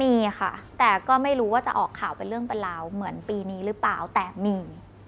มีค่ะแต่ก็ไม่รู้ว่าจะออกข่าวเป็นเรื่องเป็นราวเหมือนปีนี้หรือเปล่าแต่มี